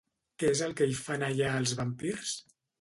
Què és el que hi fan allà els vampirs?